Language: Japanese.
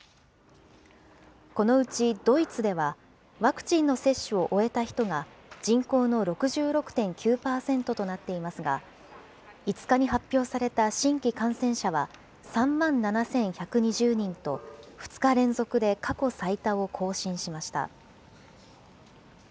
このうちドイツでは、ワクチンの接種を終えた人が人口の６６．９％となっていますが、５日に発表された新規感染者は３万７１２０人と、２日連続で過去最多を更新しました。